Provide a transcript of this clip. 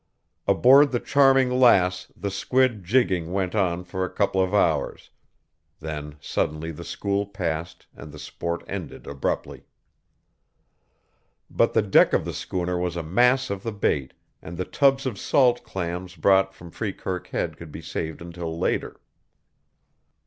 Aboard the Charming Lass the squid "jigging" went on for a couple of hours. Then suddenly the school passed and the sport ended abruptly. But the deck of the schooner was a mass of the bait, and the tubs of salt clams brought from Freekirk Head could be saved until later.